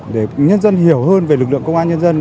để nhân dân hiểu hơn về lực lượng công an nhân dân